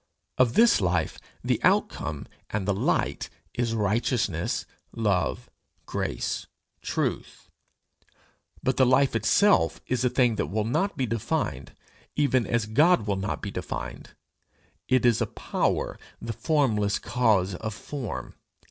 Of this life the outcome and the light is righteousness, love, grace, truth; but the life itself is a thing that will not be defined, even as God will not be defined: it is a power, the formless cause of form.